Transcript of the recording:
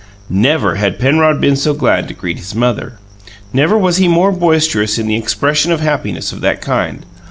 Never had Penrod been so glad to greet his mother. Never was he more boisterous in the expression of happiness of that kind.